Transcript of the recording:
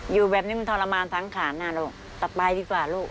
อยู่แบบนี้มันทรมานสังขารน่ะลูกต่อไปดีกว่าลูก